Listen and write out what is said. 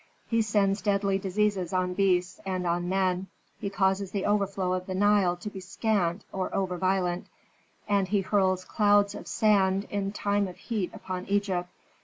He sends deadly diseases on beasts and on men; he causes the overflow of the Nile to be scant or over violent, and he hurls clouds of sand in time of heat upon Egypt.